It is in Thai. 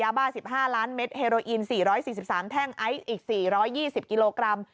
บ้าน๑๕ล้านเม็ดเฮโรอีน๔๔๓แท่งไอซ์อีก๔๒๐กิโลกรัม